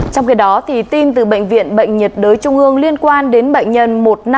trong khi đó tin từ bệnh viện bệnh nhiệt đới trung ương liên quan đến bệnh nhân một nghìn năm trăm năm mươi ba